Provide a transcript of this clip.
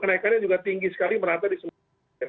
kenaikannya juga tinggi sekali merata di semua tempat